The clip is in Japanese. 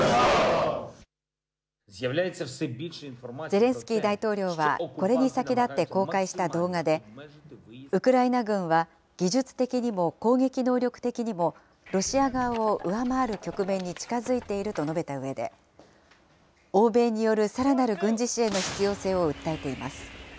ゼレンスキー大統領は、これに先立って公開した動画で、ウクライナ軍は技術的にも攻撃能力的にも、ロシア側を上回る局面に近づいていると述べたうえで、欧米によるさらなる軍事支援の必要性を訴えています。